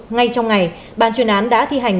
ngay trong ngày ban chuyên án đã thi hành